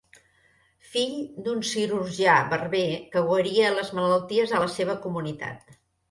Fill d'un cirurgià-barber que guaria les malalties a la seva comunitat.